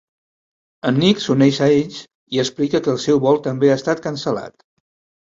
En Nick s'uneix a ells, i explica que el seu vol també ha estat cancel·lat.